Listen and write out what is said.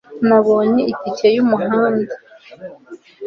nabonye itike yumuhanda